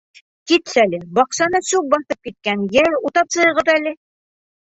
Китсәле, баҡсаны сүп баҫып киткән, йә, утап сығығыҙ әле.